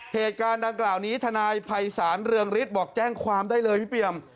เหตุการณ์ดังกล่าวนี้ทนายภัยศาลเรืองฤทธิ์บอกแจ้งความได้เลยพี่เปรียม